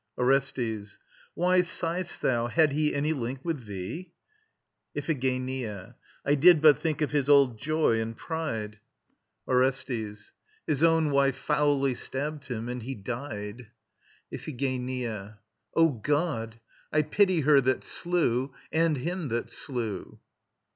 ORESTES. Why sighst thou? Had he any link with thee? IPHIGENIA. I did but think of his old joy and pride. ORESTES. His own wife foully stabbed him, and he died. IPHIGENIA. O God! I pity her that slew ... and him that slew.